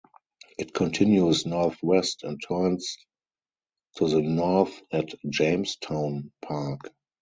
It continues northwest and turns to the north at Jamestown Park.